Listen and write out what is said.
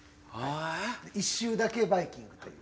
一周だけバイキングという。